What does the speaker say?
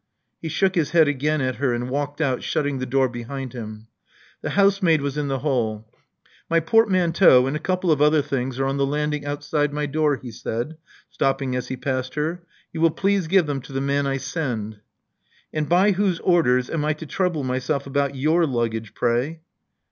He shook his head again at her, and walked out, shutting the door behind him. The house maid was in the hall. '*My portmanteau and a couple of other things are on the landing outside my door," he said, stopping as he passed her. You will please give them to the man I send. " And by whose orders am I to trouble myself about your luggage, pray?"